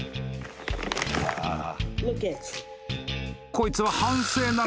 ［こいつは］